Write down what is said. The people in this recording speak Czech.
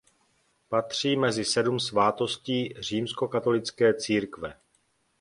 Patří mezi sedm svátostí římskokatolické církve.